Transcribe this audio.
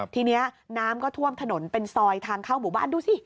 ทีนี้น้ำก็ท่วมถนนเป็นซอยทางเข้าหมู่บ้านดูสิ